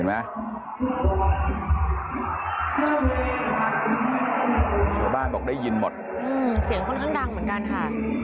ชาวบ้านบอกได้ยินหมดเสียงค่อนข้างดังเหมือนกันค่ะ